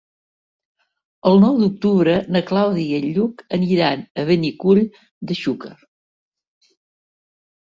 El nou d'octubre na Clàudia i en Lluc aniran a Benicull de Xúquer.